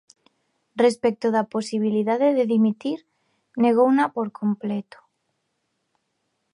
Respecto da posibilidade de dimitir, negouna por completo.